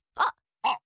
あっ。